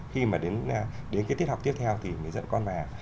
khi mà đến cái tiết học tiếp theo thì mới dẫn con về